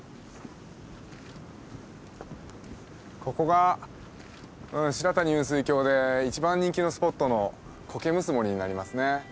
ここが白谷雲水峡で一番人気のスポットの苔むす森になりますね。